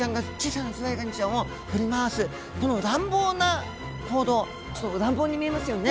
この乱暴な行動ちょっと乱暴に見えますよね。